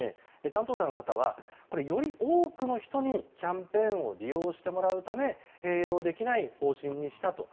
担当者の方は、より多くの人にキャンペーンを利用してもらうため併用できない方針にしたと。